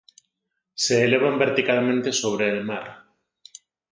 Se elevan verticalmente sobre el mar.